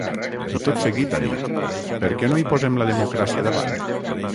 I tot seguit ha dit: Per què no hi posem la democràcia davant?